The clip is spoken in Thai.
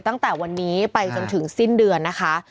ตั้งแต่วันนี้ไปจนถึงสิ้นเดือนนะคะ